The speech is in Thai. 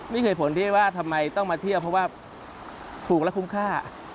นี่คือผลที่ว่าทำไมต้องมาเที่ยวเพราะว่าถูกและคุ้มค่า